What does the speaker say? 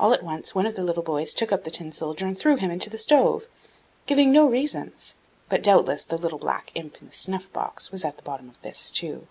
All at once one of the little boys took up the Tin soldier, and threw him into the stove, giving no reasons; but doubtless the little black imp in the snuff box was at the bottom of this too.